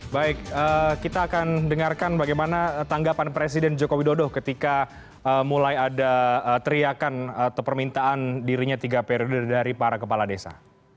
baik kita akan dengarkan bagaimana tanggapan presiden joko widodo ketika mulai ada teriakan atau permintaan dirinya tiga periode dari para kepala desa